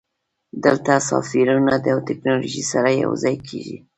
دلته سافټویر او ټیکنالوژي سره یوځای کیږي.